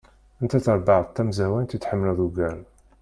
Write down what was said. Anta tarbaεt tamẓawant i tḥemmleḍ ugar?